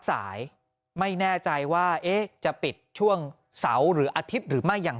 สายไม่แน่ใจว่าจะปิดช่วงเสาร์หรืออาทิตย์หรือไม่อย่าง